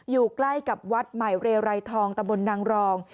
อยู่ใกล้กับวัดใหม่เรไรทองตะบนนางรอง